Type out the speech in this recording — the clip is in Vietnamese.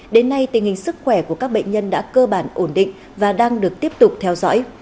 đến nay tình hình sức khỏe của các bệnh nhân đã cơ bản ổn định và đang được tiếp tục theo dõi